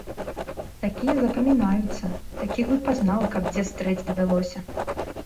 Такія запамінаюцца, такіх бы пазнаў, каб дзе стрэць давялося.